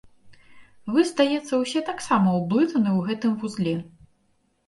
Вы, здаецца, усе таксама ўблытаны ў гэтым вузле.